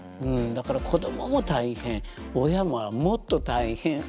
だから子どもも大変親はもっと大変。